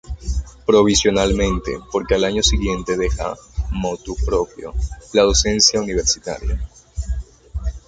Provisionalmente, porque al año siguiente deja "motu proprio" la docencia universitaria.